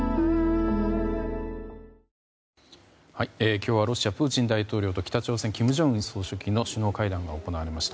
今日はロシア、プーチン大統領と北朝鮮、金正恩総書記の首脳会談が行われました。